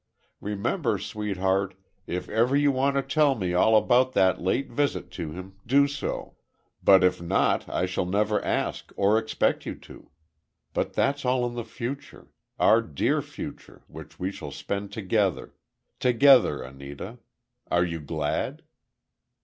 Remember, Sweetheart, if ever you want to tell me all about that late visit to him, do so. But, if not, I never shall ask or expect you to. But that's all in the future—our dear future, which we shall spend together—together, Anita! Are you glad?"